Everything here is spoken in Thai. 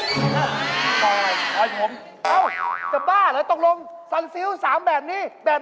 โอ๊ยยังไม่เชียงกันค่ะเอาอันหน่อยก็ได้ไม่ไหวแล้ว